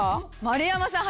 丸山さん